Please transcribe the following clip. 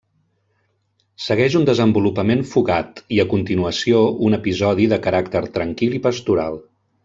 Segueix un desenvolupament fugat, i a continuació un episodi de caràcter tranquil i pastoral.